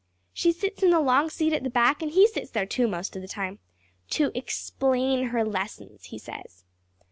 She sits in the long seat at the back and he sits there, too, most of the time to explain her lessons, he says.